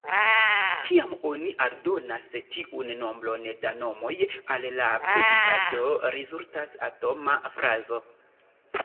Kiam oni aldonas tiun nombron da nomoj al la predikato, rezultas atoma frazo.